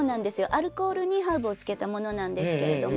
アルコールにハーブをつけたものなんですけれども。